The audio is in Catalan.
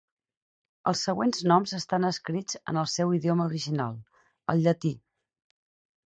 Els següents noms estan escrits en el seu idioma original, el llatí.